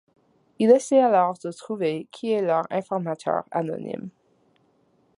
Ils essaient alors de trouver qui est leur informateur anonyme.